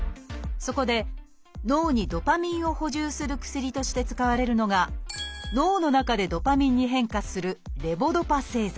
そこで脳にドパミンを補充する薬として使われるのが脳の中でドパミンに変化する「レボドパ製剤」。